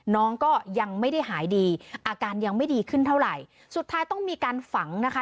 น้องก็ยังไม่ได้หายดีอาการยังไม่ดีขึ้นเท่าไหร่สุดท้ายต้องมีการฝังนะคะ